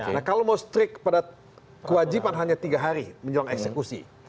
nah kalau mau strict pada kewajiban hanya tiga hari menjelang eksekusi